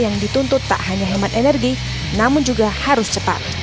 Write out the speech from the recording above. yang dituntut tak hanya hemat energi namun juga harus cepat